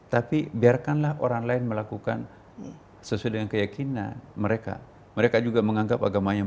tapi biarkanlah orang lain melakukan sesuai dengan keyakinan mereka mereka juga menganggap agamanya